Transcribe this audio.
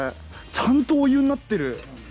ちゃんとお湯になってる！